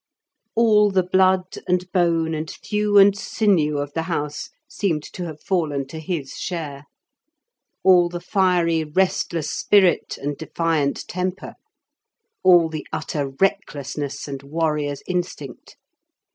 All the blood and bone and thew and sinew of the house seemed to have fallen to his share; all the fiery, restless spirit and defiant temper; all the utter recklessness and warrior's instinct.